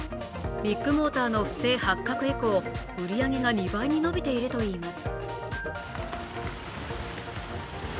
ビッグモーターの不正発覚以降、売り上げが２倍に伸びているといいます。